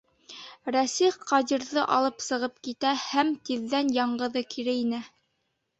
Рәсих Ҡадирҙы алып сығып китә һәм тиҙҙән яңғыҙы кире инә.